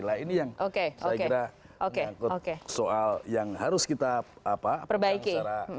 nah ini yang saya kira mengangkut soal yang harus kita perbaiki